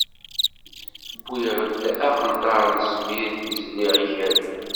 Wwiɣ-d aqenṭar n smid, zliɣ ikerri.